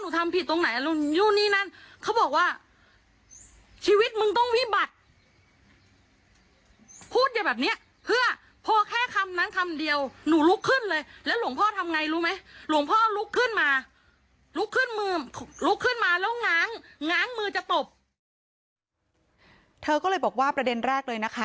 เธอก็เลยบอกว่าประเด็นแรกเลยนะคะ